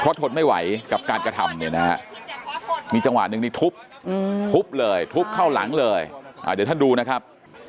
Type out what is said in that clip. เพราะทดไม่ไหวกับการกระทำนะครับมีจังหวัดนึงทุบทุบเลยทุบเข้าหลังเลยเดี๋ยวท่านดูนะครับ